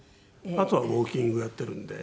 あとはウォーキングをやっているんで。